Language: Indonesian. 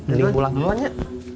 ini pulang duluan ya